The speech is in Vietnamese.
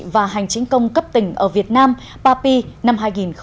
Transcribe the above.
và hành chính công cấp tỉnh ở việt nam papi năm hai nghìn hai mươi